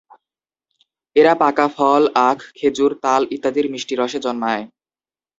এরা পাকা ফল, আখ, খেজুর, তাল ইত্যাদির মিষ্টি রসে জন্মায়।